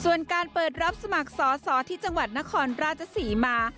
ส่วนการเปิดรับสมัครสอสอที่จังหวัดนครราชศรีมา